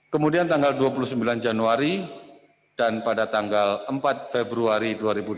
kemudian tanggal dua puluh sembilan januari dan pada tanggal empat februari dua ribu dua puluh